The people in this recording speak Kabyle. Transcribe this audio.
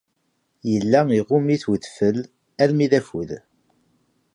Yella iɣumm-it udfel armi d afud.